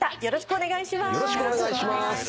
よろしくお願いします。